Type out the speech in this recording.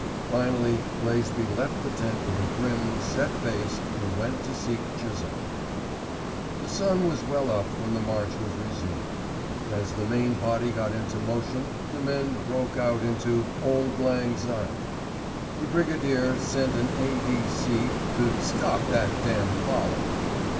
Finally Blaisby left the tent with a grim, set face and went to seek Chisholme. The sun was well up when the march was resumed. As the main body got into motion the men broke out into "Auld Lang Syne." The Brigadier sent an A.D.C. to "stop that damned folly."